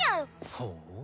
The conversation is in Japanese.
ほう。